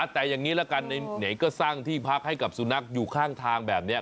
แต่อย่างนี้ละกันไหนก็สร้างที่พักให้กับสุนัขอยู่ข้างทางแบบนี้